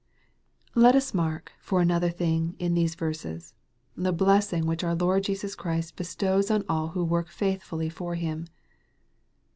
Let us mark, for another thing, in these verses, the blessing which our Lord Jesus Christ bestows on all who work faithfully for Him.